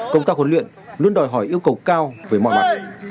công tác huấn luyện luôn đòi hỏi yêu cầu cao về mọi mặt